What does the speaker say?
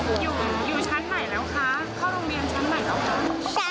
คุณค่าเดิมกัน